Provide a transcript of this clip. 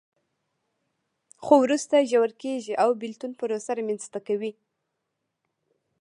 خو وروسته ژور کېږي او بېلتون پروسه رامنځته کوي.